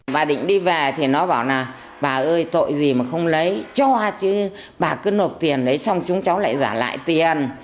bà định đi về thì nó bảo là bà ơi tội gì mà không lấy cho chứ bà cứ nộp tiền lấy xong chúng cháu lại giả lại tiền